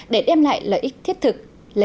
để đem lại lợi ích thiết thực